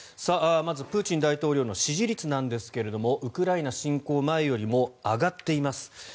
まずプーチン大統領の支持率なんですがウクライナ侵攻前よりも上がっています。